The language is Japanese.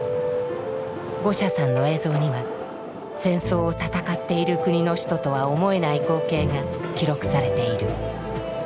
ゴシャさんの映像には戦争を戦っている国の首都とは思えない光景が記録されている。